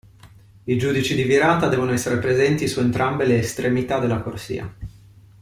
I giudici di virata devono essere presenti su entrambe le estremità della corsia.